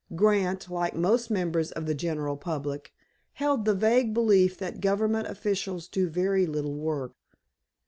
Grant, like most members of the general public, held the vague belief that Government officials do very little work.